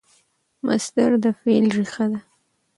مصدر د فعل ریښه ده.